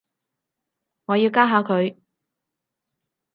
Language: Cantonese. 我要加下佢